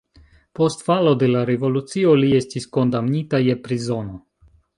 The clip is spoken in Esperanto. Post falo de la revolucio li estis kondamnita je prizono.